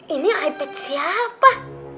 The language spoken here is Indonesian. ini ipad siapa